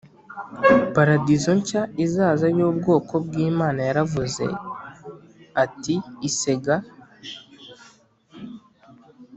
paradizo nshya izaza y ubwoko bw Imana Yaravuze ati isega